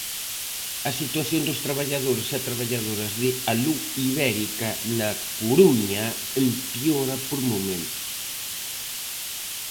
A situación dos traballadores e traballadoras de Alu Ibérica na Coruña empeora por momentos.